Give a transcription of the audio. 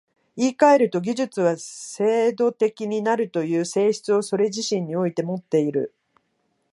言い換えると、技術は制度的になるという性質をそれ自身においてもっている。